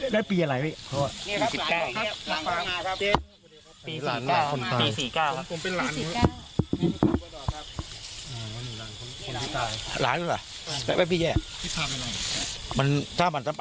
ที่จริงแล้วญาติย่าของคนตายเขาก็อยู่แค่ข้ามทางรถไฟนี่ไป